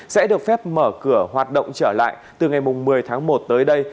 sẽ được phép mở cửa hoạt động trở lại từ ngày một mươi tháng một tới đây